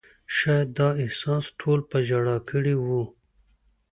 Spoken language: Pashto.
شاید دا احساس ټول په ژړا کړي وو.